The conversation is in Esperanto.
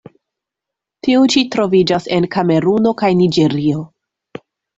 Tiu ĉi troviĝas en Kameruno kaj Niĝerio.